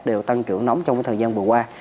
đều tăng trưởng nóng trong thời gian vừa qua